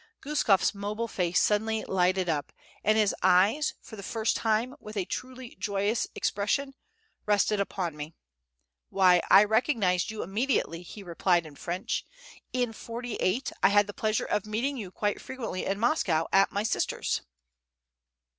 Guskof's mobile face suddenly lighted up, and his eyes, for the first time with a truly joyous expression, rested upon me. "Why, I recognized you immediately," he replied in French. "In '48 I had the pleasure of meeting you quite frequently in Moscow at my sister's."